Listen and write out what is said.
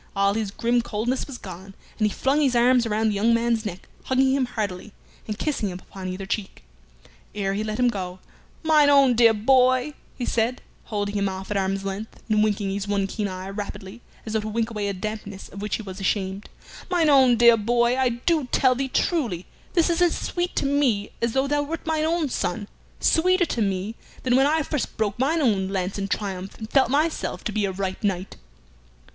All his grim coldness was gone, and he flung his arms around the young man's neck, hugging him heartily, and kissing him upon either cheek. Ere he let him go, "Mine own dear boy," he said, holding him off at arm's length, and winking his one keen eye rapidly, as though to wink away a dampness of which he was ashamed "mine own dear boy, I do tell thee truly this is as sweet to me as though thou wert mine own son; sweeter to me than when I first broke mine own lance in triumph, and felt myself to be a right knight."